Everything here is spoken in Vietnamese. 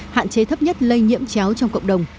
hạn chế thấp nhất lây nhiễm chéo trong cộng đồng